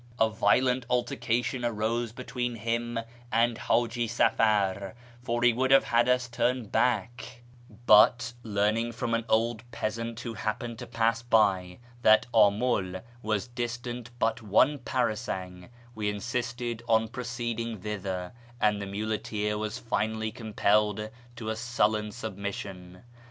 A violent altercation arose between him and Haji Safar, for he would have had us turn back ; but, learning from an old peasant who happened to pass by that Amul was distant but one parasang, we insisted on proceeding thither, and the muleteer was finally compelled to a sullen submission.